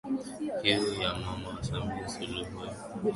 Kiu ya Mama Samia Suluhu Hassan kujiendeleza kielemu haijawahi kufikia ukomo